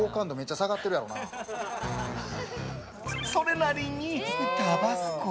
それなりにタバスコ。